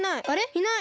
いない。